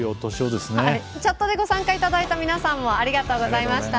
チャットでご参加いただいた皆さんもありがとうございました。